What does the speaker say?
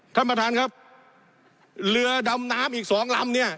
ท่านประธานครับเรือดำน้ำอีกสองลำเนี่ย